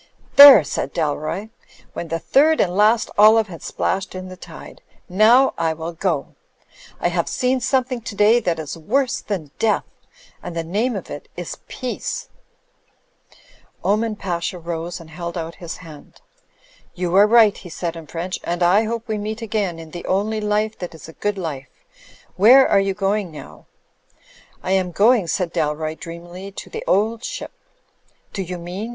"There !" said Dalroy, when the third and last olive had splashed in the tide. "Now I will go. I have Digitized by CjOOQ IC THE END OF OLIVE ISLAND 31 seen something today that is worse than death: and the name of it is Peace." Oman Pasha rose and held out his hand. "You are right/' he said in French, "and I hope we meet again in the only life that is a good life. Where are you going now?" "I am going," said Dalroy, dreamily, "to The Old Ship/ " "Do you mean?"